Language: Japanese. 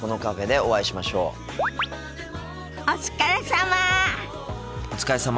お疲れさま。